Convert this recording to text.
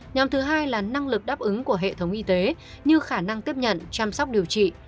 nhóm thứ hai là năng lực đáp ứng của hệ thống y tế như khả năng tiếp nhận chăm sóc điều trị